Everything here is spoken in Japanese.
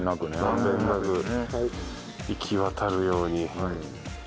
満遍なく行き渡るように。